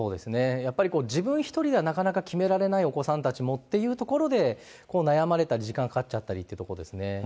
やっぱり自分一人じゃ、なかなか決められないお子さんたちもというところで、悩まれたり時間かかっちゃったりっていうところですね。